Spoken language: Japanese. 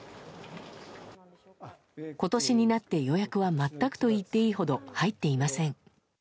今年になって予約は全くと言っていいほど入っていません。